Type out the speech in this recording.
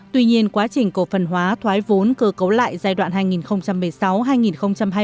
tuy nhiên quá trình cổ phần hóa thoái vốn cơ cấu lại giai đoạn hai nghìn một mươi sáu hai nghìn hai mươi